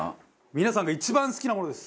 皆さんが一番好きなものです。